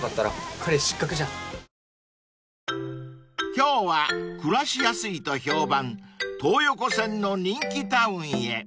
［今日は暮らしやすいと評判東横線の人気タウンへ］